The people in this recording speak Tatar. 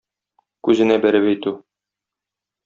Күзенә бәреп әйтү.